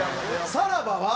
さらばは？